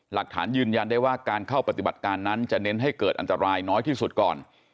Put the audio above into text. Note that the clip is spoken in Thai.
หลักฐานยืนยันได้ว่าการเข้าปฏิบัติการนั้นจะเน้นให้เกิดอันตรายน้อยที่สุดก่อน